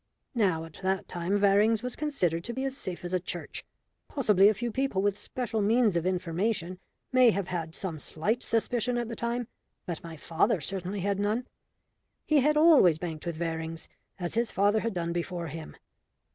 Now at that time Varings' was considered to be as safe as a church. Possibly a few people with special means of information may have had some slight suspicion at the time, but my father certainly had none. He had always banked with Varings, as his father had done before him.